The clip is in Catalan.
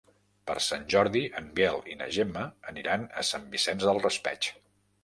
Per Sant Jordi en Biel i na Gemma aniran a Sant Vicent del Raspeig.